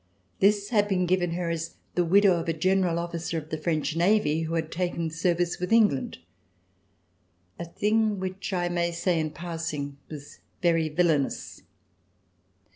This had been given her as the widow of a general officer of the French Marine, who had taken service with England, a thing which I may say in passing was very villainous.